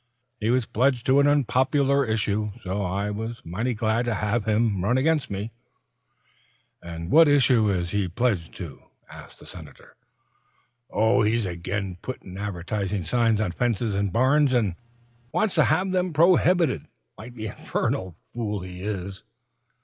He was pledged to an unpopular issue, so I was mighty glad to have him run against me." "What issue is he pledged to?" asked the Senator. "Oh, he's agin putting advertising signs on fences and barns, and wants to have them prohibited, like the infernal fool he is."